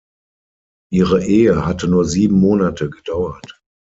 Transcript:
Ihre Ehe hatte nur sieben Monate gedauert.